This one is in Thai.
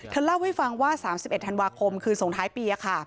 เล่าให้ฟังว่า๓๑ธันวาคมคืนส่งท้ายปี